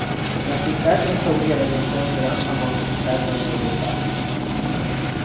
La ciutat no s'hauria de confondre amb el comtat de Golden Valley.